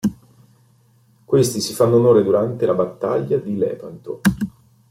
Questi si fanno onore durante la battaglia di Lepanto.